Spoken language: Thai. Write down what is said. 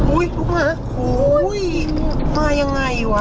อุ้ยลูกหมาโอ้โหมายังไงวะ